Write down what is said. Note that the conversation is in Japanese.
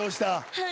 はい。